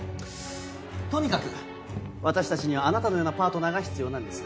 とにかく私たちにはあなたのようなパートナーが必要なんです。